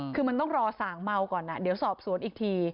คือมันต้องรอสั่งเมาก่อนเดี๋ยวสอบสวนอีกที